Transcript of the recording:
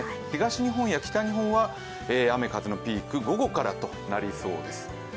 東日本や北日本は雨・風のピーク、午後からとなりそうです。